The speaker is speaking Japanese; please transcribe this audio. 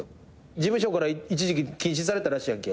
事務所から一時期禁止されたらしいやんけ。